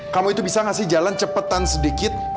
kalau itu bisa ngasih jalan cepetan sedikit